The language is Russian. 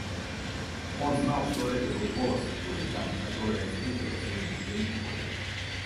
Он знал, что это был голос той дамы, которая встретилась ему при входе.